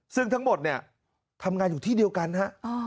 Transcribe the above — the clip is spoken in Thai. ซึ่งทั้งหมดเนี่ยทำงานอยู่ที่เดียวกันฮะ